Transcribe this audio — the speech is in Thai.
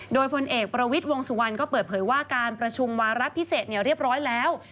โดยพลเอกประวิทย์วงสุวรรณก็เปิดเผยว่าการประชุมวาระพิเศษเรียบร้อยแล้ว